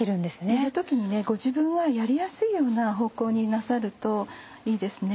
やる時にご自分はやりやすいような方向になさるといいですね。